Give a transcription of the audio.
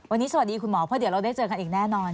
วันนี้สวัสดีคุณหมอเพราะเดี๋ยวเราได้เจอกันอีกแน่นอน